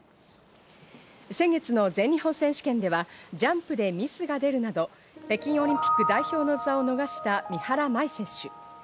先月の全日本選手権では、ジャンプでミスが出るなど、北京オリンピック代表の座を逃した三原舞依選手。